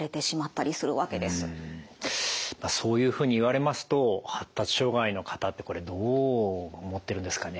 まあそういうふうに言われますと発達障害の方ってこれどう思ってるんですかね。